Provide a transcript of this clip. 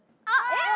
えっ！